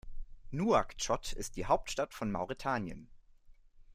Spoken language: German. Nouakchott ist die Hauptstadt von Mauretanien.